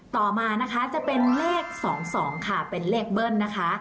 ต่อมานะคะจะเป็นเลข๒๒ค่ะเป็นเลขเบิ้ลนะคะ